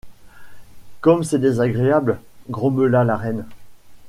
Comme c’est désagréable! grommela la reine.